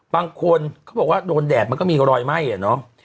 บางคนเขาบอกว่าโดนแดดมันก็มีรอยไหม้อะเนาะ